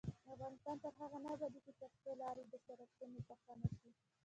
افغانستان تر هغو نه ابادیږي، ترڅو لارې او سرکونه پاخه نشي.